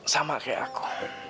sama kayak aku